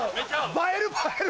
映える映える！